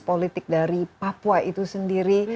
politik dari papua itu sendiri